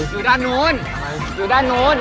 อยู่ด้านนู้น